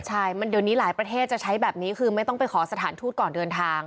ใช่เดี๋ยวนี้หลายประเทศจะใช้แบบนี้คือไม่ต้องไปขอสถานทูตก่อนเดินทาง